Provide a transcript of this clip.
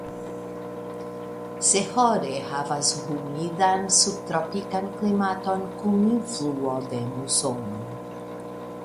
Sehore havas humidan subtropikan klimaton kun influo de musono.